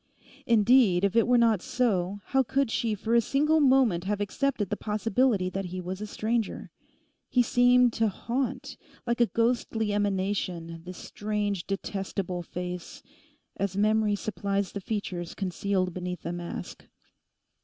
Indeed, if it were not so, how could she for a single moment have accepted the possibility that he was a stranger? He seemed to haunt, like a ghostly emanation, this strange, detestable face—as memory supplies the features concealed beneath a mask.